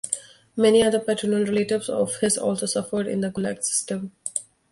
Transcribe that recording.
Many other paternal relatives of his also suffered in the Gulag system.